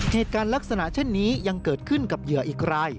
เหตุการณ์ลักษณะเช่นนี้ยังเกิดขึ้นกับเหยื่ออีกราย